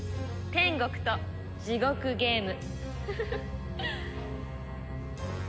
天国と地獄ゲーム。